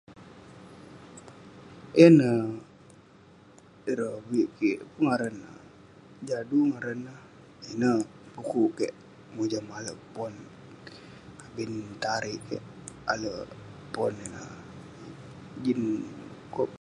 Ineh ireh vi'ik kik pun ngaran neh, Jadu ngaran neh. Ineh pu'kuk kik mojam alek pon... abin ta'rik kik alek pon ineh, jin kop.